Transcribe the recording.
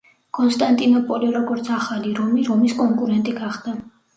კონსტანტინოპოლი, როგორც „ახალი რომი“, რომის კონკურენტი გახდა.